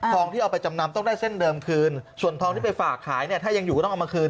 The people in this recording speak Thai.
ที่เอาไปจำนำต้องได้เส้นเดิมคืนส่วนทองที่ไปฝากขายเนี่ยถ้ายังอยู่ก็ต้องเอามาคืน